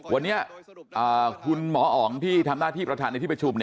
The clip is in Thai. วันนี้คุณหมออ๋องที่ทำหน้าที่ประธานในที่ประชุม